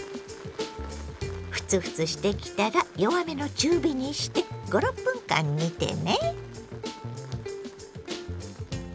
フツフツしてきたら弱めの中火にして５６分間煮てね。